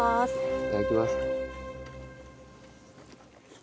いただきます。